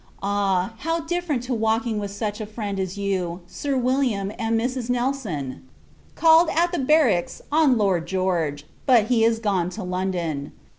Ah! how different to walking with such a friend as you, Sir William, and Mrs. Nelson. Called at the barracks, on Lord George; but, he is gone to London.